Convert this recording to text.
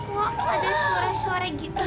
kok ada suara suara gitu